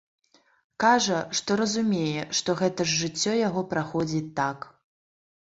Кажа, што разумее, што гэта ж жыццё яго праходзіць так.